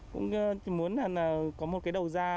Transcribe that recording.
cũng muốn là có một cái đầu ra